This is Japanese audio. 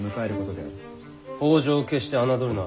北条を決して侮るな。